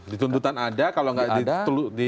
di tuntutan ada kalau nggak di